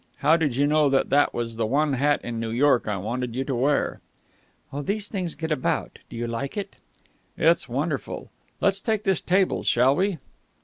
How did you know that that was the one hat in New York I wanted you to wear?" "Oh, these things get about. Do you like it?" "It's wonderful. Let's take this table, shall we?"